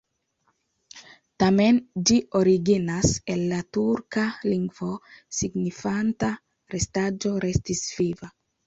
Tamen ĝi originas el la turka lingvo signifanta: restaĵo, restis viva.